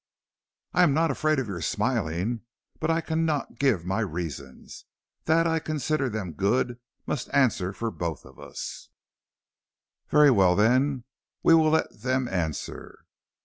"I am not afraid of your smiling, but I cannot give my reasons. That I consider them good must answer for us both." "Very well, then, we will let them answer.